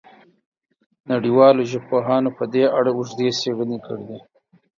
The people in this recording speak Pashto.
نړیوالو ژبپوهانو په دې اړه اوږدې څېړنې کړې دي.